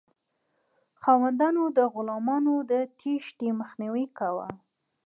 خاوندانو د غلامانو د تیښتې مخنیوی کاوه.